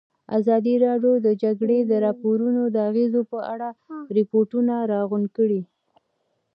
ازادي راډیو د د جګړې راپورونه د اغېزو په اړه ریپوټونه راغونډ کړي.